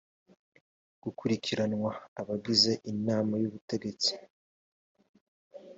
gukurikiranwa abagize inama y ubutegetsi